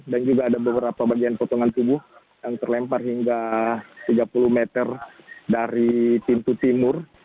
dan juga ada beberapa bagian potongan tubuh yang terlempar hingga tiga puluh meter dari pintu timur